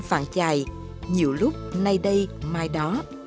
phàn chài nhiều lúc nay đây mai đó